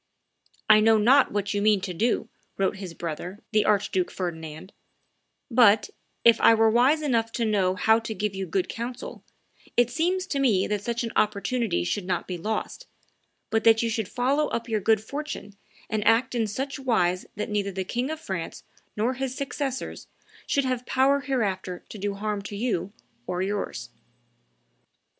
"I know not what you mean to do," wrote his brother, the Archduke Ferdinand; "but, if I were wise enough to know how to give you good counsel, it seems to me that such an opportunity should not be lost, but that you should follow up your good fortune and act in such wise that neither the King of France nor his successors should have power hereafter to do harm to you or yours."